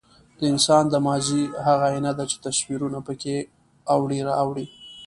د انسان د ماضي هغه ایینه ده، چې تصویرونه پکې اوړي را اوړي.